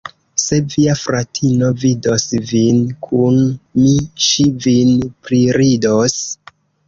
Se via fratino vidos vin kun mi, ŝi vin priridos?